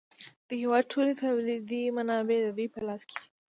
د هېواد ټولې تولیدي منابع د دوی په لاس کې دي